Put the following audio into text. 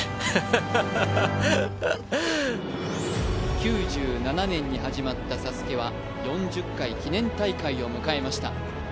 ９７年に始まったＳＡＳＵＫＥは４０回記念大会を迎えました。